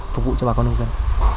phục vụ cho bà con nông dân